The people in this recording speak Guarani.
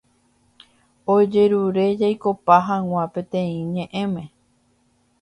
Ojerure jaikopa hag̃ua peteĩ ñe'ẽme